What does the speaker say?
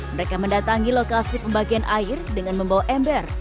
mereka mendatangi lokasi pembagian air dengan membawa ember